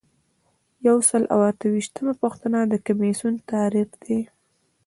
یو سل او اته ویشتمه پوښتنه د کمیسیون تعریف دی.